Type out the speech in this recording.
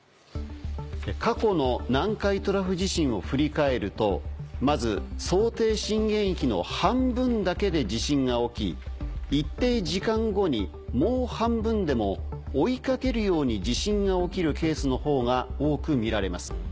過去の南海トラフ地震を振り返るとまず。が起き一定時間後にもう半分でも追いかけるように地震が起きるケースの方が多くみられます。